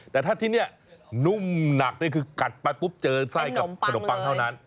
แต่ถ้าที่นี่นุ่มหนักนี่คือกัดไปปุ๊บเจอไส้กับขนมปังเท่านั้น